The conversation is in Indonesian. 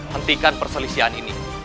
hentikan perselisian ini